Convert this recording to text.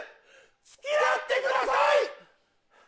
付き合ってください！